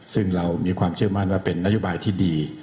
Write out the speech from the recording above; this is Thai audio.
ซึ่งเรามีความเชื่อมั่นว่าเป็นนโยบายที่ดี